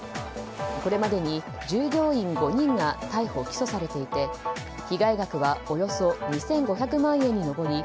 これまでに従業員５人が逮捕・起訴されていて被害額はおよそ２５００万円に上り